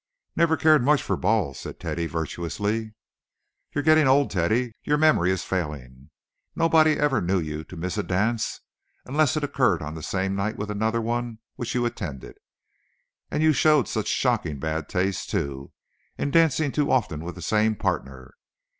"Never cared much for balls," said Teddy virtuously. "You're getting old, Teddy. Your memory is failing. Nobody ever knew you to miss a dance, unless it occurred on the same night with another one which you attended. And you showed such shocking bad taste, too, in dancing too often with the same partner.